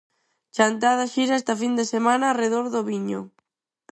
Chantada xira esta fin de semana arredor do viño.